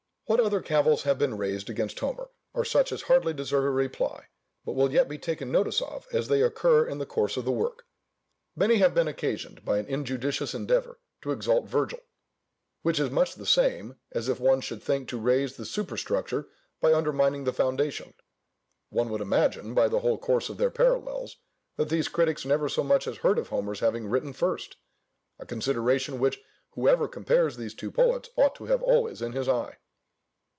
What other cavils have been raised against Homer, are such as hardly deserve a reply, but will yet be taken notice of as they occur in the course of the work. Many have been occasioned by an injudicious endeavour to exalt Virgil; which is much the same, as if one should think to raise the superstructure by undermining the foundation: one would imagine, by the whole course of their parallels, that these critics never so much as heard of Homer's having written first; a consideration which whoever compares these two poets ought to have always in his eye.